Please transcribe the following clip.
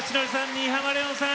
新浜レオンさん